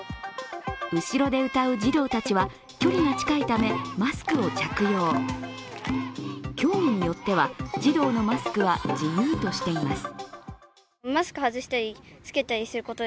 後ろで歌う児童たちは距離が近いためマスクを着用、競技によっては児童のマスクは自由としています。